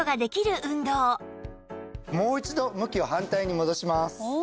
もう一度向きを反対に戻します。